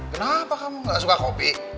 kenapa kamu gak suka kopi